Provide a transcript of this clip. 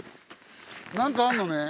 何かあんのね。